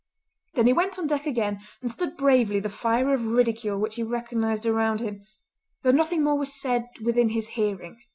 Then he went on deck again and stood bravely the fire of ridicule which he recognised around him, though nothing more was said within his hearing.